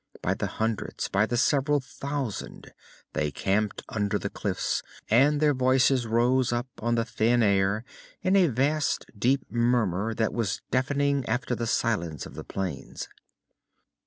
By the hundreds, by the several thousand, they camped under the cliffs, and their voices rose up on the thin air in a vast deep murmur that was deafening after the silence of the plains.